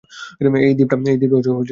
এই দ্বীপ টা অনেক বড়।